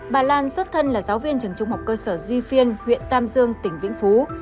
bà lan xuất thân là giáo viên trường trung học cơ sở duy phiên huyện tam dương tỉnh vĩnh phú